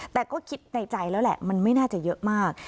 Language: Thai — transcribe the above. แต่ก็คิดในใจแล้วแหละมันไม่น่าจะเยอะมาก